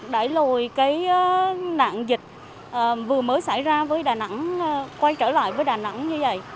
đẩy lùi cái nạn dịch vừa mới xảy ra với đà nẵng quay trở lại với đà nẵng như vậy